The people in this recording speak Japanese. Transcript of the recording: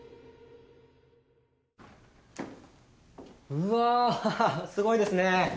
うわすごいですね。